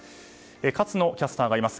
勝野キャスターがいます。